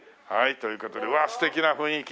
という事でうわあ素敵な雰囲気。